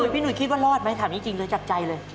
หนุ่ยคิดว่ารอดไหมถามจริงเลยจับใจเลย